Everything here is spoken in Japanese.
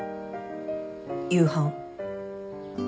夕飯